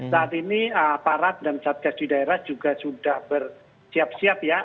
saat ini aparat dan satgas di daerah juga sudah bersiap siap ya